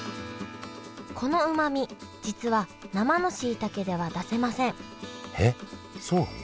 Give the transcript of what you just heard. このうまみ実は生のしいたけでは出せませんえっそうなの？